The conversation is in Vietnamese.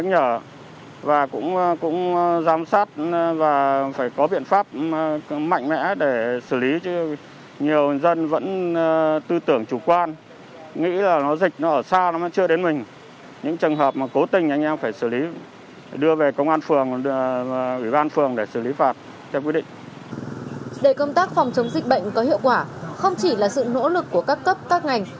không chỉ là sự nỗ lực của các cấp các ngành